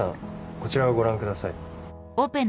こちらをご覧ください・・